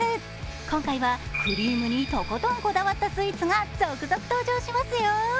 今回はクリームにとことんこだわったスイーツが続々登場しますよ。